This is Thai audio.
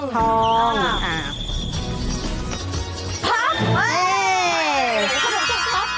ขนมทรงทรัพย์